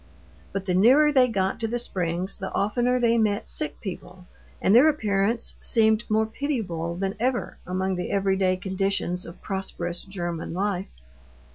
But the nearer they got to the springs the oftener they met sick people; and their appearance seemed more pitiable than ever among the everyday conditions of prosperous German life.